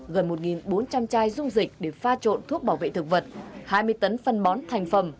gần một bốn trăm linh chai dung dịch để pha trộn thuốc bảo vệ thực vật hai mươi tấn phân bón thành phẩm